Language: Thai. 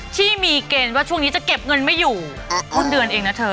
ที่มีเกณฑ์ว่าช่วงนี้จะเก็บเงินไม่อยู่ต้นเดือนเองนะเธอ